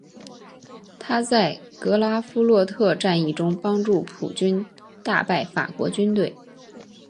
他在格拉夫洛特战役中帮助普军大败法国军队。